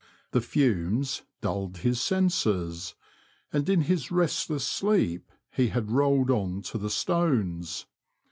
The fumes dulled his senses, and in his restless sleep he had rolled on to the stones.